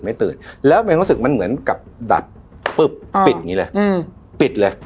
ตื่นแล้วมันรู้สึกมันเหมือนกับดักปุ๊บปิดอย่างงี้เลยอืมปิดเลย